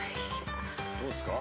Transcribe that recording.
どうっすか？